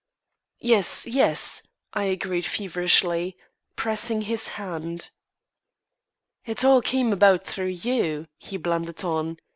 "Yes, yes," I agreed feverishly, pressing his hand. "It all came about through you," he blundered on.